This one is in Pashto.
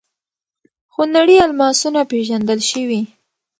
خونړي الماسونه پېژندل شوي.